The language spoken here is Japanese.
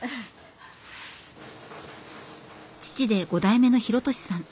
父で５代目の弘智さん。